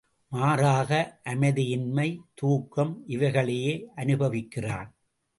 மாறாக அமைதியின்மை, துக்கம் இவைகளையே அனுபவிக்கிறான்.